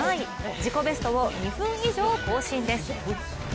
自己ベストを２分以上更新です。